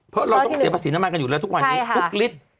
เพราะเราต้องเสียภาษีน้ำมันกันอยู่แล้วทุกวันนี้ทุกลิตร